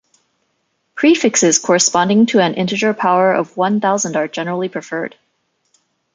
Prefixes corresponding to an integer power of one thousand are generally preferred.